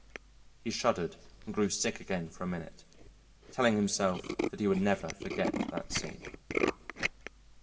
He shuddered and grew sick again for a minute, telling himself that he would never forget that scene.